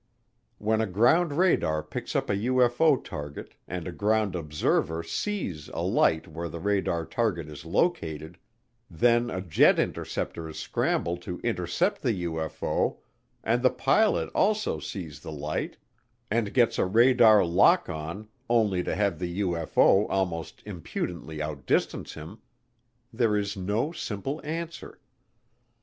When a ground radar picks up a UFO target and a ground observer sees a light where the radar target is located, then a jet interceptor is scrambled to intercept the UFO and the pilot also sees the light and gets a radar lock on only to have the UFO almost impudently outdistance him, there is no simple answer.